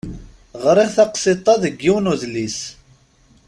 Ɣriɣ taqsiṭ-a deg yiwen udlis.